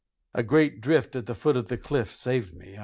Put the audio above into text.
A great drift at the foot of the cliff saved me.